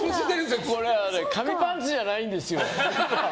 紙パンツじゃないんですよ。